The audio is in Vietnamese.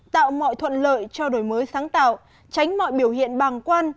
tạo mọi thuận lợi cho đổi mới sáng tạo tránh mọi biểu hiện bàng quan